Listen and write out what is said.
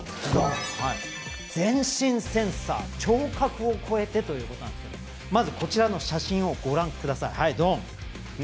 全身センサー聴覚を超えてということなんですがまずこちらの写真をご覧ください。